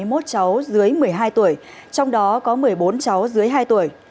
trong chuyến bay giải cứu này có một mươi bốn cháu dưới một mươi hai tuổi trong đó có một mươi bốn cháu dưới hai tuổi